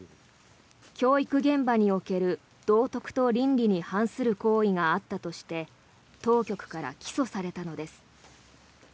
教育現場における道徳と倫理に反する行為があったとして当局から起訴されたのです。